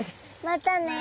またね。